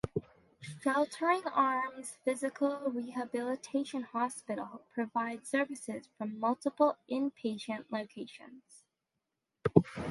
Sheltering Arms Physical Rehabilitation Hospital provides services from multiple in-patient locations.